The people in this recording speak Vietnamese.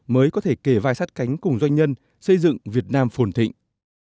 mới có thể kể vai sát cánh cùng doanh nhân xây dựng việt nam phồn thịnh